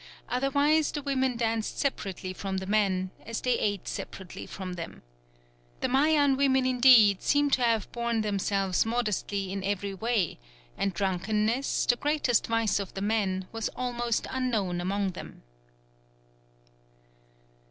Otherwise the women danced separately from the men, as they ate separately from them. The Mayan women indeed seem to have borne themselves modestly in every way, and drunkenness, the greatest vice of the men, was almost unknown among them.